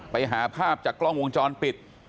ไปหาภาพจากกล้องวงจรปิด